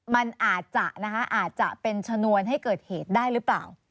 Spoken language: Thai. มันอาจจะเป็นชนวนให้เกิดเหตุได้หรือเปล่า